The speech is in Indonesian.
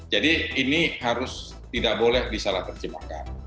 jadi ini harus tidak boleh disalah terjemahkan